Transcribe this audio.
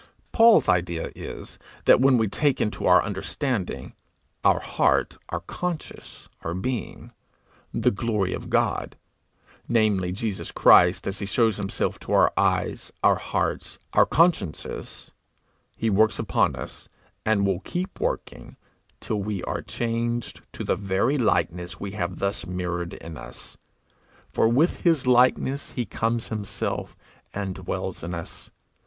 Paul's idea is, that when we take into our understanding, our heart, our conscience, our being, the glory of God, namely Jesus Christ as he shows himself to our eyes, our hearts, our consciences, he works upon us, and will keep working, till we are changed to the very likeness we have thus mirrored in us; for with his likeness he comes himself, and dwells in us.